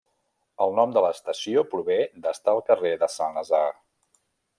El nom de l'estació prové d'estar al carrer de Saint-Lazare.